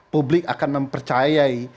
publik akan mempercayai